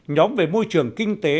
hai nhóm về môi trường kinh tế